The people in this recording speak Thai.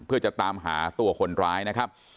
เพื่อจะตามหาตัวคนร้ายนะครับ